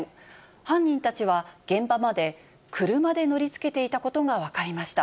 犯人たちは現場まで、車で乗りつけていたことが分かりました。